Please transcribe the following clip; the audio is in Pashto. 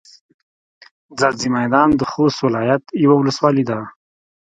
ځاځي میدان د خوست ولایت یوه ولسوالي ده.